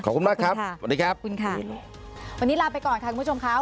ขอบคุณมากครับวันนี้ลาไปก่อนค่ะคุณผู้ชมค่ะ